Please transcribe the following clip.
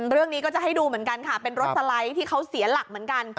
เรื่องนี้ก็จะให้ดูเหมือนกันค่ะเป็นรถสไลด์ที่เขาเสียหลักเหมือนกัน